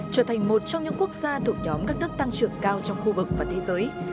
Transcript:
trở thành một trong những quốc gia thuộc nhóm các đất tăng trưởng cao trong khu vực và thế giới